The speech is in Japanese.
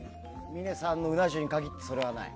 峰さんのうな重に限ってそれはない。